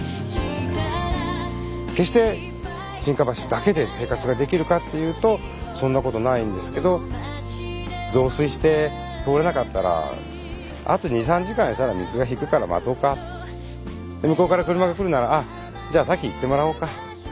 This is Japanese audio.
決して沈下橋だけで生活ができるかっていうとそんなことないんですけど増水して通れなかったらあと２３時間したら水が引くから待とうか向こうから車が来るならあじゃあ先行ってもらおうか。